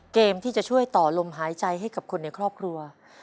เกมที่จะช่วยต่อลมหายใจให้กับคนในครอบครัว